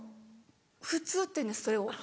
「普通」って言うんですそれを。